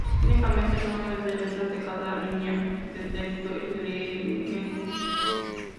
Únicamente el número de letras en cada línea de texto es levemente diferente.